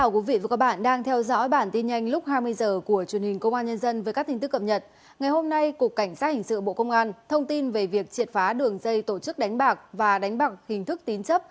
cảm ơn các bạn đã theo dõi